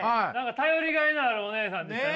頼りがいのあるお姉さんでしたね！